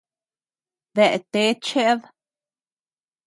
¿Dea tee cheʼed?